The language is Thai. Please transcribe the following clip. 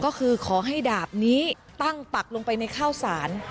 ก็คือขอให้ดาบนี้ตั้งปักลงไปในข้าวสาร